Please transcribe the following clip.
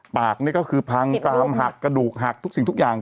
ปากนี้ก็คือพังกลามหักกระดูกหักทุกอย่าง